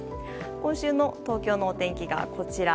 今週の東京のお天気がこちら。